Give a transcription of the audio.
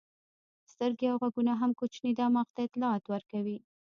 سترګې او غوږونه هم کوچني دماغ ته اطلاعات ورکوي.